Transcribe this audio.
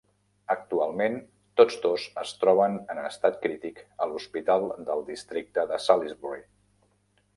Actualment tots dos es troben en estat crític a l'Hospital del Districte de Salisbury.